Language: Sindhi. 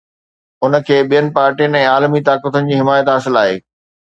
ان کي ٻين پارٽين ۽ عالمي طاقتن جي حمايت حاصل آهي.